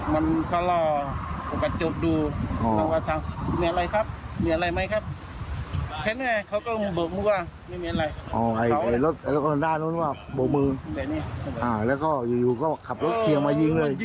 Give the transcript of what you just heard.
มันยิงเลย